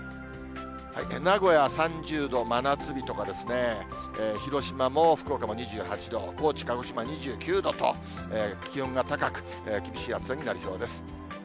名古屋３０度、真夏日とかですね、広島も福岡も２８度、高知、鹿児島２９度と気温が高く、厳しい暑さになりそうです。